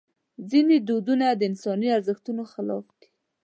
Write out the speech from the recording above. ځینې دودونه د انساني ارزښتونو خلاف دي.